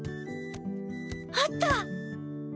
あった！